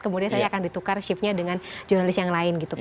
kemudian saya akan ditukar shiftnya dengan jurnalis yang lain gitu